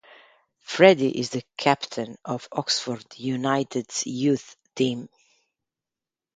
Freddie is the captain of Oxford United's youth team.